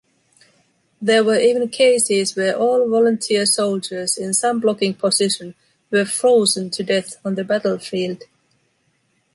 There were even cases where all volunteer soldiers in some blocking position were frozen to death on the battlefield.